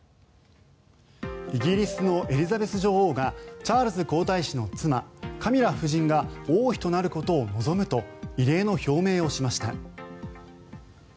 イギリスのエリザベス女王がチャールズ皇太子の妻カミラ夫人が王妃となることを望むと異例の表明をしました。